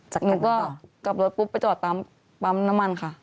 หนูก็กลับรถปุ๊บไปจอดตามปั๊มน้ำมันค่ะ